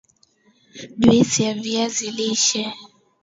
juisi ya viazi lishe